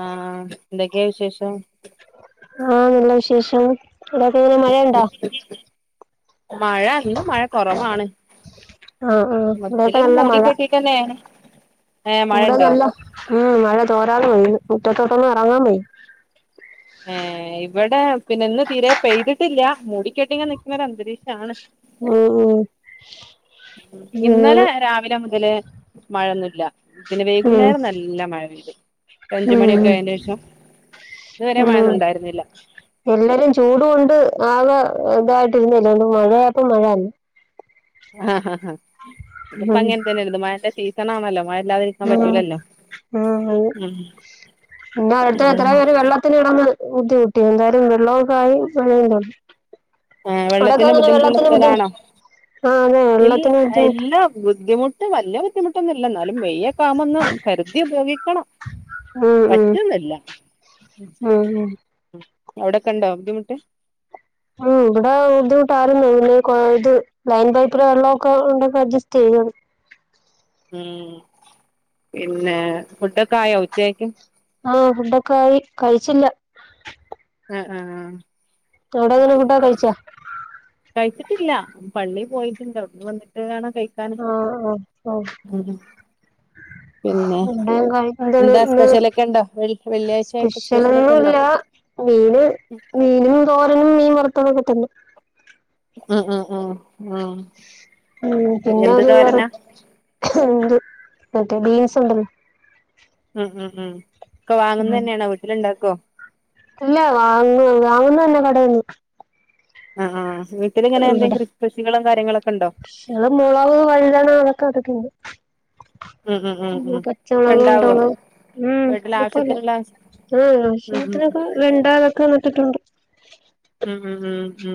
ആഹ് എന്തൊക്കെയാ വിശേഷം ആ നല്ല വിശേഷം എല്ലാർ എങ്ങനെ മയണ്ടൊ മഴ ഇന്ന് മഴ കൊറവാണ് ആഹ് ആഹ് ഇവിടെയൊക്കെ മൊത്തത്തില് നല്ല മഴ മൂടിക്കെട്ടി ട്ടന്നെയാണ് ഇവിടെ നല്ല ഉം മഴ തോരാതെ പെയ്യ്ന്ന് മുറ്റത്തോട്ടൊന്നും എറങ്ങാൻ വയ്യ ഏ ഇവിടെ പിന്നെ ഇന്ന് തീരെ പെയ് ട്ടില്ല മൂടിക്കെട്ടി ഇങ്ങനെ നിക്കുന്ന അന്തരീഷാണ് ഉം ഉം ഇന്നലെ അങ്ങനെ രാവിലെ മുതല് മഴ ഒന്നും ഇല്ല പിന്നെ ഉം വൈകുന്നേരം നല്ല മഴ പെയ്തു അഞ്ച് ഉം മണിയൊക്കെ ആയതിന് ശേഷം ഇതുവരെ ഉം മഴയൊന്നും ഉണ്ടായിരുന്നില്ല എല്ലാരും ചൂട്‌കൊണ്ട് ആകെ ഇതായിട്ടിരുനല്ലേ ഒന്ന് മഴ ആയപ്പോ മഴന്നെ ആഹ് ഹാ ഹാ [unintelligible] ഇപ്പോ അങ്ങനെ തന്നെ ആരെന്ന് മഴ തീരെ [unintelligible] [unintelligible] ഇവിടെ ഉം ഉം ഇത്രയും പേര് വെള്ളത്തിന് [unintelligible] ബുദ്ധിമുട്ടി എന്താണേലും വെള്ളം വന്നു തുടങ്ങി ഏഹ് വെള്ളത്തിന് അവിടെക്കെയെങ്ങനെ ബുദ്ധിമുട്ടുള്ള വെള്ളത്തിന് ബുദ്ധിമു സ്ഥലാണോ അ അതെ ഇൽ വെള്ളത്തിന് ബുദ്ധിമുട് ഇല്ല ബുദ്ധിമുട്ട് വല്യ ബുദ്ധിമുട്ടൊന്നും ഇല്ല എന്നാൽ മെയ് ഒക്കെ ആകുമ്പോ ഒന്ന് കരുതി ഉപയോഗിക്കണം ഉം ഉം പറ്റുന്നില്ല ഉം ഉം അവിടക്കെണ്ടോ ബുദ്ധിമുട്ട് മ് ഇവിടെ ബുദ്ധിമുട്ടാരുന്ന് പിന്നെ കൊഴ ഇത് ലൈൻ പൈപ്പിലെ വെള്ളം ഒക്കെ ഉണ്ട് അഡ്ജസ്റ്റ് ചെയ്യും ഇം പിന്നെ ഫുഡ് ഒക്കെ ആയോ ഉച്ചക്കും ആഹ് ഫുഡ് ഒക്കെ ആയി കഴിച്ചില്ല ആ ആ അ അവിടെ എങ്ങനെ ഫുഡൊക്കെ കഴിച്ചാ [inaudible] കഴിച്ചിട്ടില്ല പള്ളീ പോയിട്ടുണ്ട് അവിടുന്ന് വന്ന് [unintelligible] ആഹ് അഹ് ആഹ് പിന്നെ ഇവിടെയും കഴിക്കാണ് എന്താ ഇന്ന് സ്പെഷ്യലൊക്കെണ്ടോ വെള്ള് വെള്ളിയാഴ്ചയായിട്ട് സ്പെഷ്യലൊക്കെണ്ടോ സ്പെഷ്യലൊന്നുല്ല മീന് മീനും തോരനും മീൻ വറ അതൊക്കെ തന്നെ ആ അ ആ മ് പിന്നെ ഒര് വെറ് തോരനാ ഇണ്ട് മറ്റേ ബീൻസുണ്ടല് ഇ ഇ ഈ ക്ക വാങ്ങുന്നന്നെയാണോ വീട്ടിലിണ്ടാക് [unintelligible] ഇല്ല വാങ്ങ് വാങ്ങൂന്നന്നെ കടേന്ന് അഹ് ആഹ് വീട്ടിലിങ്ങനെ എവടെ എന്തെങ്കിലും കൃഷി കൃഷികളും കാര്യങ്ങളൊക്കെ ഉണ്ടോ [unintelligible] മൊളവ് വഴുതന അതൊക്കെ നട്ടിട്ടൊണ്ട് ഉം ഉം ഉം ഉം ഒക്കെ പച്ചമുളക് ഇണ്ടാവോ ഉണ്ടമുളക് ഉം വീട്ടിലെ കൊഴപ്പൊല്ല ആവശ്യത്തിനുള്ള ആഹ് ഉം ഉം ആവശ്യത്തിനൊക്കെ വെണ്ട ഇതൊക്കെ നട്ടിട്ടൊണ്ട് ഉ ഉ ഉ ഉ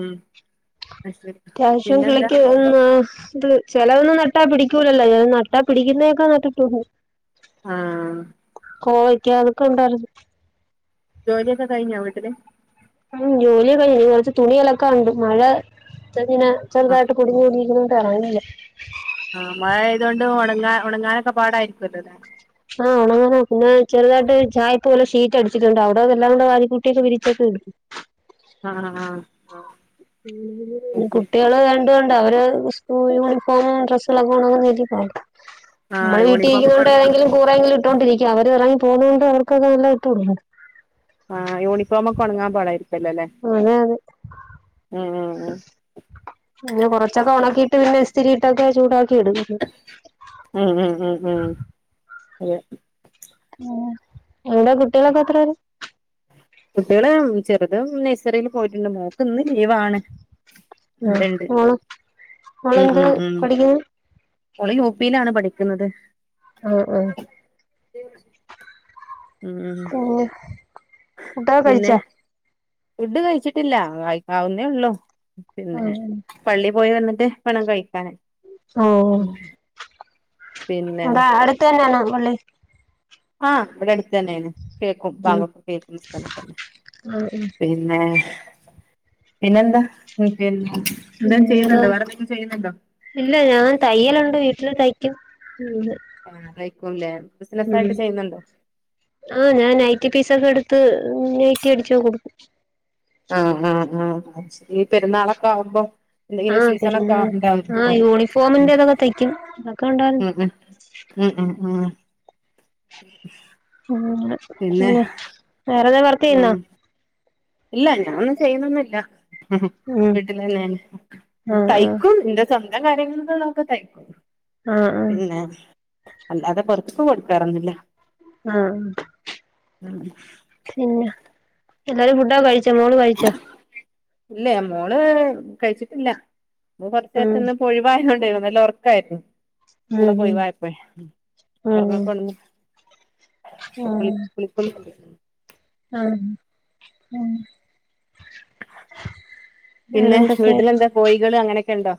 അത്യാവശ്യം കിളിക്കുവ്ന്ന് ത് ചെലതൊന്നും നട്ടാ പിടിക്കൂലല്ലാ നട്ടാ പിടിക്കുന്നെ ഒക്കെ നട്ടിട്ടൊണ്ട് ആ കോവയ്ക്കാ അതൊക്കെ ഒണ്ടാരുന്ന് ജോലിയൊക്കെ കഴിഞ്ഞോ വീട്ടിലെ ഉം ജോലിയൊക്കെ കഴിഞ്ഞ് ഇനി കൊറച്ച് തുണി അലക്കാൻ എണ്ട് മഴ ഇവിടെ ഇങ്ങനെ ആഹ് ചെറുതായിട്ട് പൊടിഞ്ഞു പൊടിഞ്ഞ് ഇരിക്കണ് തളങില്ല അ മഴയായതു കൊണ്ട് ഒണങ്ങാൻ ഒണങ്ങാൻഒക്കെ പാടായിരിക്കുകവല്ലേ അല്ലെ ആ ഒണങ്ങാൻ പിന്നെ ചെറുതായിട്ട് ചായിപ്പ് പോലെ ഷീറ്റ് അടിച്ചിട്ടുണ്ട് അവിടെ എല്ലാം കൂടെ വാരിക്കൂട്ടിയിട്ട് വിരിച്ചക്ക ഇടും ആ ആ ആ അ [unintelligible] കുട്ടികള് രണ്ടുണ്ട് അവര് ഉസ്കൂൾ യൂണിഫോമും ഡ്രസ്സ് എല്ലാം കൂടി [unintelligible] ആഹ് മ്മള് യൂണിഫോം ഒക്കെ വീട്ടീനിക്കുന്നകൊണ്ട് ഉണങ്ങാൻ ഏതെങ്കിലും കൂറേയെങ്കിലും ഇട്ടോണ്ട് ഇരിക്കും. അവര് പറയും പോണോണ്ട് അവർക്ക് അതുതന്നെ ഇട്ടു കൊടുക്കണം. ആ യൂണിഫോമൊക്കെ ഒണങ്ങാൻ പാടായിരിക്കും. പിന്നല്ലേ അതെ അതെ മം മം മം പിന്നെ കൊറച്ചൊക്കെ ഒണക്കിയിട്ട് പിന്നെ ഇസ്ത്തിരി ഇട്ടിട്ട് ചൂടാക്ക് മം മം മം മം അതേ ആ എന്താ കുട്ടികളൊക്കെ ഏത്രേല്? കുട്ടികള് ചെറുത് നഴ്സറില് പേയിട്ട്ണ്ട്. മോക്ക് ഇന്ന് ലീവ് ആണ്. എപ്പോ മോൾ ഉം എന്ത് ഉം ഉം പഠിക്കുന്ന്? ഓള് യു പ്പിലാണ് പഠിക്കുന്നത്. ഓ ഓ അത് എവിടാ ഉം ഉം. പിന്നെ പിന്നേ ഫുഡ് കഴിച്ചിട്ടില്ല കഴിക്കാവുന്നേയുള്ളൂ. ആ പിന്നെ പള്ളി പോയിവന്നിട്ട് വേണം കഴിക്കാന് ഓ പിന്നെ ഇവിടെ അടുത്ത് തന്നെയാണോ? വളളി ആ ഇവിടെ അടുത്ത് തന്നേണ് കേക്കും ഉം വാങ്ക് ഒക്കെ കേക്കുന്ന സ്ഥലത്തന്നെ. ആ ആ പിന്നേ പിന്നെന്താ [unintelligible] പിന്നെന്താ? ചെയ്യുന്നുണ്ടോ വേറെ എന്തെങ്കിലും ചെയ്യുന്നുണ്ടോ ഇല്ല ഞാൻ തയ്യൽ ഉണ്ട് വീട്ടില് തയ് ക്കും [unintelligible] പൂവുല്ലേ മ്മ് ആ ഞാൻ ഐ ടി ടീച്ചറുടെ അടു ത്ത് നേറ്റി അടിച്ച് കൊടുക്കും ആഹ് ആഹ് ആഹ് ച്റിയ പെരുന്നാളൊക്കവുമ്പോ ആ പെരുന്നാൾ ആ യൂണിഫോമിന്റേ ഇതൊക്ക തയ്ക്കും ഉണ്ടായിരുന്നു ആഹ് ആഹ് ആഹ് [unintelligible] പിന്നെ വേറെ ഉം ഇല്ല ഞാൻ ഒന്നും ചെയ്യുന്നൊന്നും ഇല്ല ഉം വീട്ടിലന്നെണ് ആഹ് ആഹ് തയ്ക്കും ഇന്റെ സ്വ ന്തം കാര്യങ്ങൾക്കിള്ളതൊക്കെ തയ്ക്കും ആഹ് ആഹ് പിന്നെ അല്ലാതെ പൊർ ത്തു കൊടുക്കാറൊന്നുല്ല ആഹ് ഉം പിന്നെ എല്ലാരും ഫുഡൊക്കെ കഴിച്ച ച്ചാ മോള് കഴിച്ചോ? ഇല്ല മോള് കഴിച്ചിട്ടില്ല [unintelligible] ഉം കൊർച്ചേരത്തിന്നൊഴിവായതോണ്ടേ നല്ലൊർക്കായിരുന്നു സ്കൂളൊക്കെ ഉം ഉം ഒഴിവായപ്പഴേ ഉം ഒറങ്ങക്കൊണന്ന് ഉം [unintelligible] ഉം പിന്നെ വേറെന്തൊക്കെ വീട്ടിലെന്താ കോഴികള് അങ്ങനെക് ഇണ്ടോ?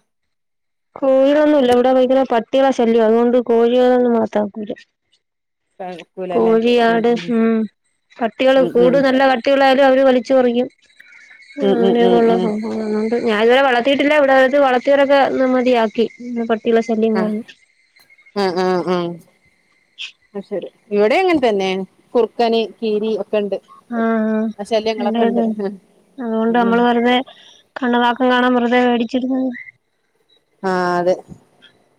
കോഴൊന്നുല്ല ഇവടെ വീടിലെ പട്ടികളെ ശല്യാ അതുകൊണ്ട് കോഴികളെയൊന്നും വളർത്താറ്ക്കൂല്ല കൂലല്ലേ കോഴി ഉം ആട് ഉം പട്ടികള് ഉം ഉം കൂട് നല്ല കട്ടിയുള്ള അവര് വലിച്ചൊറിയും ഉം [unintelligible] ഞാൻ ഏതായാലും വളർത് ത്തീട്ടില്ല ഇവ്ടെ വളർത്തിയവരൊക്ക മതിയാക്കി പട്ടികളെ ശല്യം അഹ് കാരണം ആഹ് ആഹ് ആഹ് അ ശെ ഇവിടേം അങ്ങൻ തന്നെ കുർക്കന് കീരി ഒക് ആഹ് അഹ് ഉണ്ട് അത് കൊണ്ട് ഉം നമ്മള് വെറുതെ [unintelligible] വേടിച്ചിരുന്നു. ആഹ് അതെ.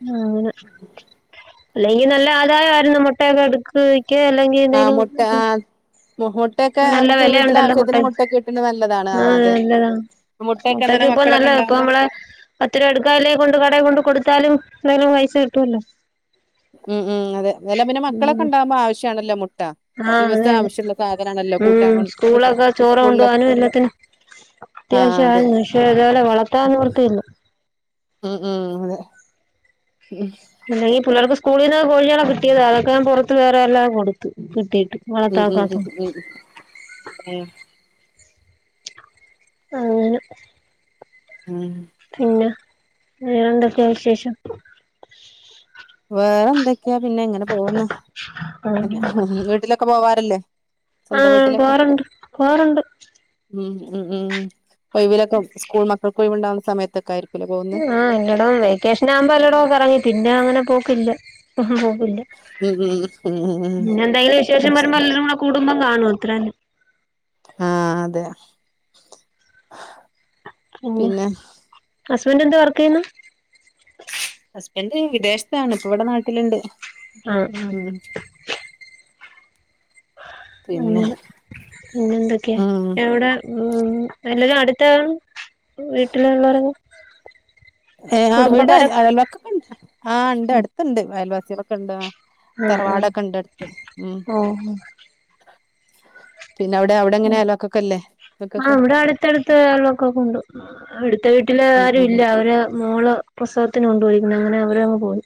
ആഹ് അങ്ങനെ അല്ലെങ്കി നല്ല ആദായായിരുന്നു മുട്ടേക്കെ ഇട്ക്ക് ക്കെ അല്ലെങ്കി ആ എന്തെലും മുട്ട ഉം ആ ഉം മുട്ടയൊക്കെ നല്ല നമുക്ക് വീട്ടിലെ വെലയുണ്ടല്ലോ ആവശ്യത്തിന് മുട്ടയ് മുട്ടൊക്കെ കിട്ടുന്നത് നല്ലതാണ് ആ ആഹ് അതെ നല്ല ല്ല മുട്ടയൊക്കെ അങ്ങനെ മുട്ടയ്ക്കിപ്പൊ മക്കളൊക്കെ നല്ല ഇപ്പൊ ഉണ്ടാവുമ്പോ നമ്മളെ പത്ത് രൂപ എടുക്കാല്ലെങ്കി കൊണ്ട് കടേ കൊണ്ട് കൊട്ത്താലും എന്തെലും പൈസ കിട്ടുവല്ലോ. ഉം ഉം അതെ വെല്ല പിന്നെ ഉം മക്കളൊക്കെണ്ടാവുമ്പോ ആവശ്യണല്ലോ മു ആഹ് അതെയതെ കൂട്ടാൻ ഉം കൊണ്ട് വിട്ട് സ്കൂളിലൊക്കെ ചോറ് സ്കൂളില് കൊണ്ടോവാനും എല്ലത്തിനും ആ അത്യാവശ്യ അതെ [unintelligible] പക്ഷേ ഏതായാലും വളർത്താൻ നിവർത്തിയില്ല. ഉം ഉം അതെ ഉം [unintelligible] പിള്ളേർക്ക് സ്കൂളിന്ന് കോഴികളെ കിട്ടിയതാ അതൊക്കെ ഞാൻ കൊട്ത്ത് വേറെയെല്ലാം കൊട്ത്ത് കിട്ടി ഉം ഉം ഉം ഉം അങ്ങനെ ഉം പിന്നെ വേറെന്തെക്കെ വിശേഷം? വേറെ എന്ത് ക്യാ പിന്നെ ഇങ്ങനെ പോവുന്നു വീട്ടിലൊക്കെ പോവാറില്ലേ? സ്വന്തം ആഹ് വീട്ടിലൊക്കെ പോകാറുണ്ട് പോകാറുണ്ട്. ഉം ഉം ഉം. ഒയ് വിലൊക്കെ സ്കൂൾ മക്കക്കൊയ്വ്ണ്ടാ [unintelligible] സമയത്തൊക്കാ ആഹ് ഇല്ലട വെക്കേഷനാവുമ്പോ എല്ല ടേം കറങ്ങി പിന്നങ്ങനെ പോ ക്കില്ല. ഇല്ല. ഉം ഉം ഉം ഉം പിന്നെന്തായാലും വിശേഷം ഉം ശരി വരുമ്പം എല്ലാരും കൂടി കൂടുമ്പം കാണും എത്രാലും ആഹ് അതെ. പിന്നെ ഹസ്ബൻ്റെന്താ വർക്കെയ്യുന്നേ? ഹസ്ബൻഡ് വിദേശത്താണ്. ഇപ്പൊ ഇവിടെ നാട്ടിലുണ്ട്. ആഹ് ആഹ്. ഉം [unintelligible] പിന്നെ എന്തൊക്കെയാ? ഉം എവടാ? മ്ഹ് എല്ലാരും അടുത്താ വീട്ടിലുള്ളവരൊക്കെ? ഏഹ് ആഹ് ഇവിടെ കുടുംബക്കാരൊക്കെ അയൽവക്കക്കൊക്കെണ്ട്. ആഹ് ഇണ്ട് അടുത്ത്ണ്ട് അയൽവ [unintelligible] ആഹ് ആഹ് തറവാടൊക്കെ ഇണ്ട് അടുത്ത്. മ്ഹ് മ്ഹ് ആഹ് നിങ്ങക്കൊക്കെ ഇവിടെ അടുത്തടുത്ത് അയൽവക്കൊക്കെ ഉണ്ട്. [unintelligible] അടുത്ത വീട്ടിൽ ആരും ഉം ഇല്ല മോൾ പ്രെസ്സവത്തിന് കൊണ്ട് പോയിരിക്കുന് അന്നേരം അവരാങ് പോയീ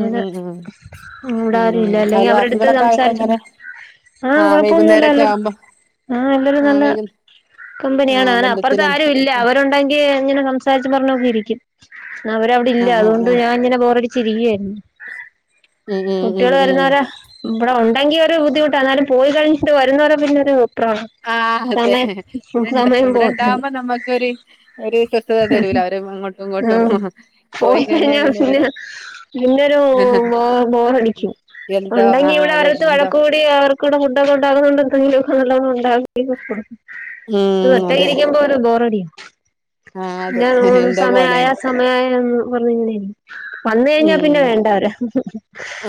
ഉം ഉം ഉം ഉം ഇവിടെ ഉം ആരും ഉം ഇല്ല അല്ലേൽ അവരെടുത്തു അയൽവാസികളൊക്കെ ആയിട്ട് സംസാരിച്ച് എങ്ങനെ ആ ആഹ് കൊഴപ്പം വൈകുന്നേരൊക്കെ ഒന്നുമില്ലല്ലോ ആവുമ്പോ ആ എല്ലാരും ആഹ് നല്ല വൈകു കമ്പനി ആണ് ആഹ് അങ്ങനെ അപ്പുറത്ത് ബന്ധത്തില ആരും ഇല്ല അവരുണ്ടേങ്കിൽ അങ്ങനെ സംസാരിച്ച് പറഞ്ഞോണ്ടിരിക്കും [inaudible] ഇന്ന് അവർ അവിടെ ഇല്ല ആഹ് ആഹ് അതുകൊണ്ട് ആഹ് ഞാൻ ഇങ്ങനെ ബോറടിച്ചു ബോറടിച്ചു ഇരിക്കയിരുന്നു ഉം ഉം ഉം കുട്ടികൾ വരുന്ന ഉം വരെ ഇവിടെ എങ്കിൽ ഒരു ബുദ്ധിമുട്ടാ എന്നാലും പോയീ കഴിഞ്ഞി വരുന്ന വരെ പിന്നെ ഒരു ആഹ് അതെ ഇവിടെണ്ട സമയം പോവത്തില്ല ഇവിടെണ്ടാവുമ്പോ നമ്മക്കൊരു ഒരു സ്വസ്ഥത തരൂല അവര് അങ്ങോട്ടും മ്മ് ആ ഇങ്ങോട്ടും പോയി പോയീ കഴിഞ്ഞാ പിന്നൊരു പിന്നെ ഒരു ബോറടിക്കും എന്തോ ആഹ് ഉണ്ടെങ്കിൽ അതെ അവരോടുത്ത എന്തോ വഴ്ക്കകൂടി അവർക്ക് ഫുഡ് ഒക്കെ ഉണ്ടാക്കുന്നത് കൊണ്ട് [unintelligible] ഉം ഒറ്റയ്ക്ക് അതെ ഇരിക്കുമ്പോ ഒരു ബോർ അടിയ ആഹ് പിന്നെ അതെ അങ്ങനെ എന്തോ സമയം ആയാ പോലെയാണ് സമയം ആയ മ്മ് പറഞ്ഞി കഴിഞ്ഞാൽ വന്നു കഴിഞ്ഞാൽ ഉം പിന്നെ വേണ്ട അവരെ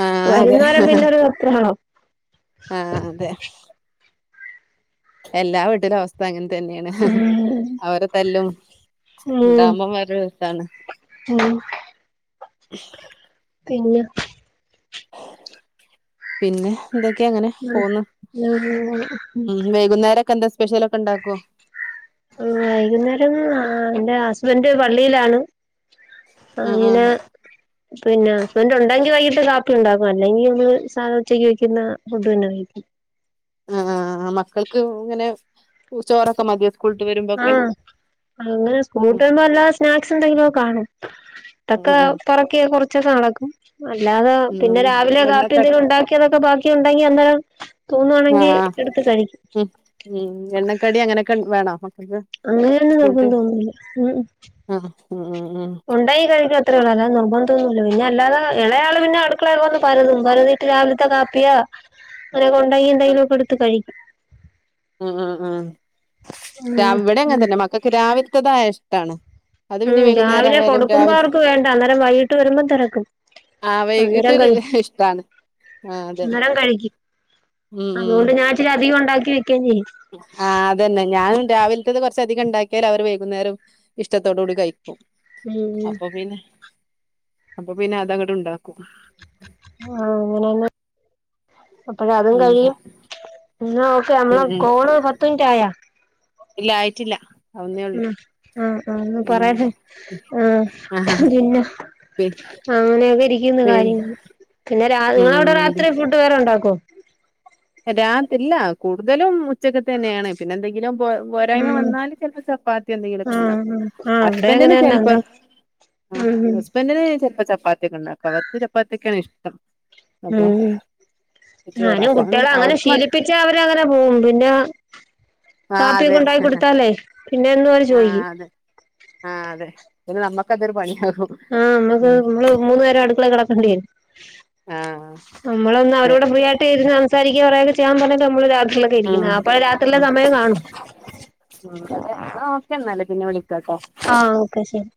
ആഹ് വരുന്ന വരെ പിന്നെ ഒരു വെപ്രാളം ആ അതെ എല്ലാവീട്ടിലും അവസ്ഥ അങ്ങനെ തന്നെ തന്നെയാണ് ഉം അവരെ തല്ലും [inaudible] ഉണ്ടാവുമ്പോ ഒരു ഇതാണ് മ്മ് [inaudible] പിന്നെ പിന്നെ എന്തൊക്കെ അങ്ങനെ പോവുന്നു വൈകുന്നേരയൊക്കെ എന്താ സ്പെഷ്യലൊക്കെ ഇണ്ടാക്കോ ഹ്മ്മ് വൈകുന്നേരം ആ എന്റെ ഹുസ്ബൻഡ് പള്ളിയിൽ ആണ് ആഹ് അയിന് ആഹ് പിന്നെ ഹസ്ബൻഡ് ഉണ്ടെങ്കിൽ വൈകീട്ട് കാപ്പി ഇണ്ടാക്കും അല്ലെങ്കി പിന്നെ സാദാ ഉച്ചയ്ക്ക് വെയ്ക്കുന്ന ഫുഡ്ഡ് ന്നെ കഴിക്യും ആ മക്കൾക്ക് അങ്ങനെ ആ അങ്ങന സ്കുൾ ഇട്ട് ഉം വരുബ വല്ല സ്നാക്സ് എത്നങ്കിലൊക്ക കാണും തക്ക ഉം പൊറക്കി കൊർചൊക്ക ന്നടക്കും അല്ലാത ഉം പിന്നെ ഉം രാവിലെ കാപ്പി എണ്ണക്ക എത്നേലും ഉണ്ടാക്കിത്തൊക്കെ ബാക്കി ക്കെ ഉണ്ടെങ്കി [unintelligible] ആഹ് ആഹ് എടുത്ത് കഴിക്കും മ്ഹ് എണ്ണക്കടി അങ്ങനെ ക്കെൻ വേണോ? മക്കൾക്ക് അങ്ങനെ യങ് നിർബന്തൊന്നുല്ല അ ആ കൊണ്ടൊയ് [unintelligible] അത്രേള്ളൂ അല്ലാതെനിർബന്തൊന്നുല്ല പിന്നെ അല്ലാതെ എളേ ആള് പിന്നെ അട്ക്കളേ വന്ന് പരതും പരതിട്ട് രാവിൽത്തെ കാപ്യോ അങനൊക്കെ ഉണ്ടെങ്കി എന്തെങ്കിലൊക്കെ ഇട്ത്ത് കയ് അ അ ആ രാ ഉം ഇവടിം അങ്ങൻത്തെന്നെ മക്കക്ക് രാവിൽത്തതായ ഷ് ട്ടാണ് ഉം രാവിലെ കൊടുക്കുമ്പോ അവർക്ക് വേണ്ട അന്നേരം വൈകിട്ട് വെരുമ്പം തെരക്കും ആഹ് അന്നേരം വൈകിട്ടൊരു കഴ് ഇഷ്ടാണ് ആഹ് അതെ അന്നേരം കഴിക്കും അതോണ്ട് ഞാൻ ഇച്ചിര അധികം ഒ ണ്ടാക്കി വെ ആ അതെന്നെ ഞാനും രാവിൽ ത്തന്ന് കൊർച്ചധികം ണ്ടാക്ക്യാലവര് വൈകുന്നേരും ഇഷ്ടത്തോടൂകൂടി കഴി ക്കും ഉം അപ്പം പിന്നെ അപ്പം പിന്നെ അതങ്ങട്ട് ണ്ടാക്കും ആ അങ്ങനെന്നെ അപ്പഴതും ഉം കഴിയും ഇന്നാ ഓക്കെ ഉം ഞമ്മളെ ഉം കോള് പത്തിൻറ്റായോ ഇല്ല ആയ്റ്റില്ല മ് ആഹ് ആഹ് ഒന്ന് പറയാന് ആഹ് ആഹ് പിന്നെ പി അങ്ങനെയൊക്കെയിരിക്കുന്നു പിൻ കാര്യങ്ങള് പിന്നെ രാവ് ഉം നിങ്ങളൗട അതെ രാത്രി ഫുഡ്ഡ് വേറെ ഉണ്ടാക്കോ? രാത് ഇല്ല കുടുതലും ഉച്ചക്കത്തെന്നേണ് പിന്നെന്തെ ങ്കിലും പോ പോരായ്മ ഉം വന്നാല് ചെൽപം ചപ്പാത്ത്യോ എന്തെങ്കിലൊക്കെ ഇണ്ടാക്കും. ആഹ് ആഹ് ഇവിടെ അങ്ങനെ ഹസ്ബൻ്റ്ന് തന്നെ അന്നേ ചെൽപം ആഹ് ഉം ഉം ഹസ്ബൻ്റിന് ചെൽ ചപ്പാത്തി ഒക്കെ ഇണ്ടാക്കാ അവർക്ക് ചപ്പാത്തിക്കേണ് ഇഷ്ടം. അപ്പൊ ഉം ചോറ് ഞാനും കു അപ്പൊ ട്ട്യേളേ അങ്ങനെ അവർക്ക് ശീലിപ്പിച്ചാ അവര് അങ്ങനെ പോവും പിന്നാ കാപ്പി ഒക്കെ ഉണ്ടാക്കി കൊട്ത്താലേ ആഹ് അതെ ആഹ് അതെ പിന്നെ നമ്മ ക്കതൊര് പണിയാവും. ആഹ് നമ്മക്ക് നമ്മള് മൂന്ന് നേരം അടുക്കളേ കെട ക്കണ്ട്യേ. ആ നമ്മളൊന്ന് അതെ അവരോട് ഫ്രീയായിട്ടിരുന്ന് സം സാരിക്ക്യോ പറയൊക്കെ ചെയ്യാൻ പറഞ്ഞാൽ ഞമ്മള് രാത് ജ്ല്ലൊക്കാ ഉം ഇരിക്കുന്നെ അപ്പൊ രാത്രിയിലെ ഉം സമയം കാണൂ ഞാനെന്നാലെ പിന്നെ വിളി ആ ഓക്കെ ശരി